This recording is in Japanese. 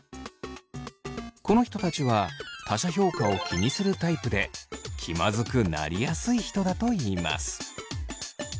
この人たちは他者評価を気にするタイプで気まずくなりやすい人だといいます。